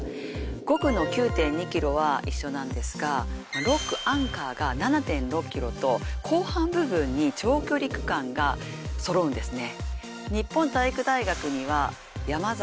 ５区の９．２ｋｍは一緒なんですが６区アンカーが７．６ｋｍと後半部分に長距離区間がそろうんですね。